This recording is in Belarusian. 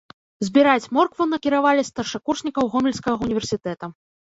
Збіраць моркву накіравалі старшакурснікаў гомельскага ўніверсітэта.